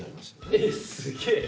えすげえ！